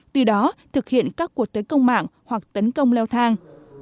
từ đó thực hiện các cuộc tấn công mạng hoặc tấn công leo thang